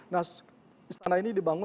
nah istana ini dibangun